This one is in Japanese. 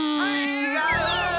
ちがう？